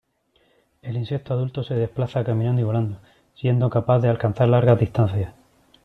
El insecto adulto se desplaza caminando y volando, siendo capaz de alcanzar largas distancias.